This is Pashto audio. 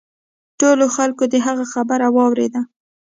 ټولو خلکو د هغه خبره واوریده.